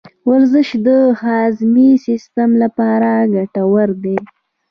ورزش د هاضمي سیستم لپاره ګټور دی.